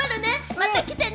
また来てね！